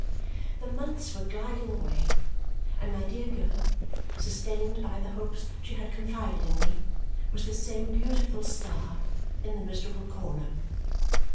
The months were gliding away, and my dear girl, sustained by the hopes she had confided in me, was the same beautiful star in the miserable corner.